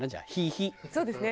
そうですね。